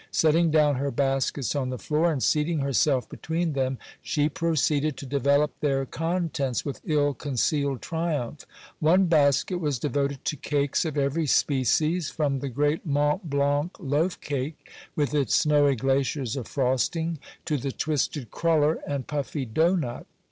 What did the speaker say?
Setting down her baskets on the floor, and seating herself between them, she proceeded to develop their contents with ill concealed triumph. One basket was devoted to cakes of every species, from the great Mont Blanc loaf cake, with its snowy glaciers of frosting, to the twisted cruller and puffy dough nut.